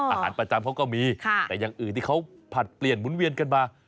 อาหารประจำเขาก็มีแต่อย่างอื่นที่เขาผลัดเปลี่ยนหมุนเวียนกันมา